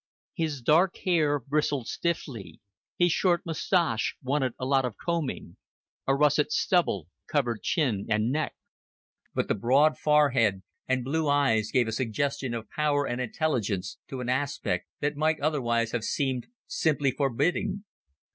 His dark hair bristled stiffly, his short mustache wanted a lot of combing, a russet stubble covered chin and neck; but the broad forehead and blue eyes gave a suggestion of power and intelligence to an aspect that might otherwise have seemed simply forbidding.